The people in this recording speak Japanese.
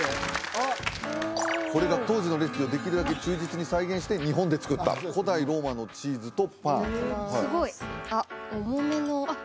あっおこれが当時のレシピをできるだけ忠実に再現して日本で作った古代ローマのチーズとパンすごいあっ重めのあっ